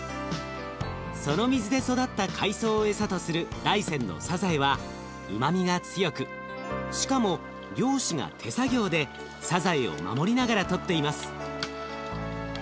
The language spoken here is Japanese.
その水で育った海藻を餌とする大山のさざえはうまみが強くしかも漁師が手作業でさざえを守りながらとっています。